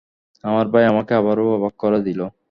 আমার ভাই আমাকে আবারও অবাক করে দিলো।